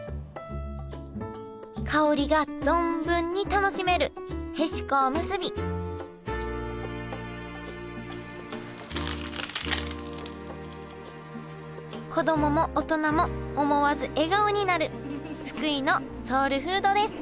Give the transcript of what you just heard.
香りが存分に楽しめるへしこおむすび子供も大人も思わず笑顔になる福井のソウルフードです